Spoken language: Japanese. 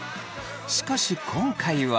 しかし今回は。